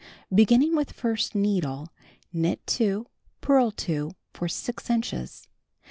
Beginning with first needle, knit 2, purl 2 for 6 inches.